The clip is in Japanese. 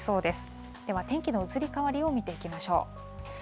では天気の移り変わりを見てみましょう。